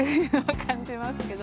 感じますけど。